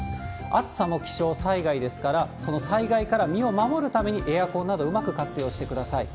暑さも気象災害ですから、その災害から身を守るためにエアコンなど、うまく活用してください。